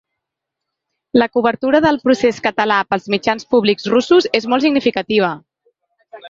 La cobertura del procés català pels mitjans públics russos és molt significativa.